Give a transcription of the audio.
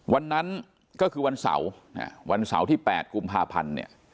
วันนั้นก็คือวันเสาร์วันเสาร์ที่๘กุมภาพันธ์เนี่ย